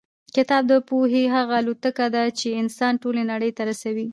کتاب د پوهې هغه الوتکه ده چې انسان ټولې نړۍ ته رسوي.